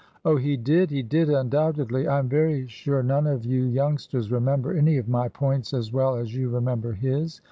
'' Oh, he did— he did, undoubtedly. I am very sure none of you youngsters remember any of my points as well as you remember his.